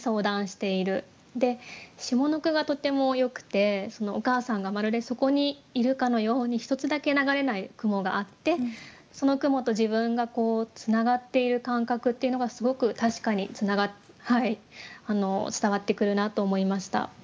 下の句がとてもよくてお母さんがまるでそこにいるかのようにひとつだけ流れない雲があってその雲と自分がつながっている感覚っていうのがすごく確かに伝わってくるなと思いました。